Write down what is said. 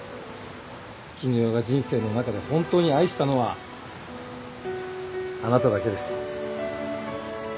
絹代が人生の中で本当に愛したのはあなただけです。